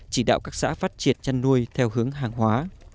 chỉ đạo các xã phát triển chăn nuôi theo hướng hàng hóa